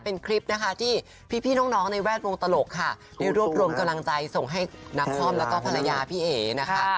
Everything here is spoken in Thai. เป็นคลิปนะคะที่พี่น้องในแวดวงตลกค่ะได้รวบรวมกำลังใจส่งให้นักคอมแล้วก็ภรรยาพี่เอ๋นะคะ